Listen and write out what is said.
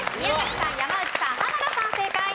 さん山内さん濱田さん正解。